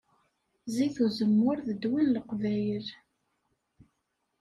Zit uzemmur d ddwa n leqvayel